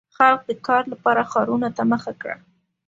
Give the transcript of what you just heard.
• خلک د کار لپاره ښارونو ته مخه کړه.